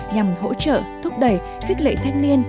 nhằm hỗ trợ thúc đẩy khích lệ thanh niên